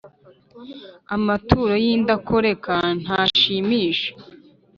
amaturo y’indakoreka ntashimisha.